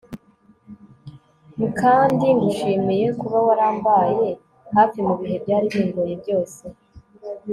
Mkandi ngushimiye kuba warambaye hafi mu bihe byari bingoye byose